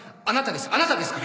あなたです。